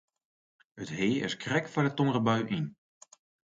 It hea is krekt foar de tongerbui yn.